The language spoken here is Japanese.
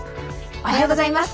おはようございます。